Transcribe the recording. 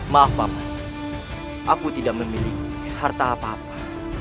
maaf aku tidak memiliki harta apa apa